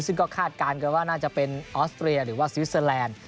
ซึ่งก็คาดการณ์กันว่าน่าจะเป็นออสเตรียหรือว่าสวิสเตอร์แลนด์